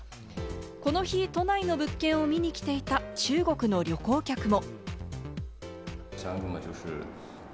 この日、都内の物件を見に来ていた中国の旅行客も。